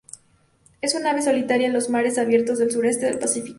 Es un ave solitaria en los mares abiertos del suroeste del Pacífico.